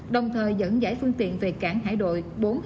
đồng thời dẫn giải phương tiện về cảng hải đội bốn trăm hai mươi một